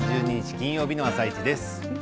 金曜日の「あさイチ」です。